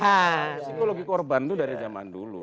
nah psikologi korban itu dari zaman dulu